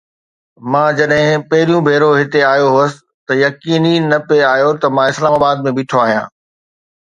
مان جڏهن پهريون ڀيرو هتي آيو هوس ته يقين ئي نه پئي آيو ته مان اسلام آباد ۾ بيٺو آهيان.